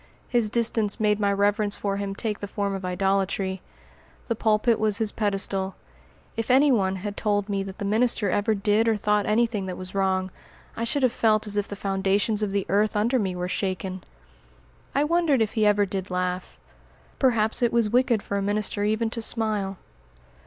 His distance made my reverence for him take the form of idolatry. The pulpit was his pedestal. If any one had told me that the minister ever did or thought anything that was wrong, I should have felt as if the foundations of the earth under me were shaken. I wondered if he ever did laugh. Perhaps it was wicked for a minister even to smile.